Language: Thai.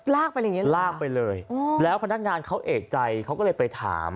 ไปอะไรอย่างเงี้เหรอลากไปเลยแล้วพนักงานเขาเอกใจเขาก็เลยไปถาม